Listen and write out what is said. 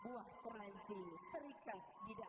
buah perancing terikat di dahan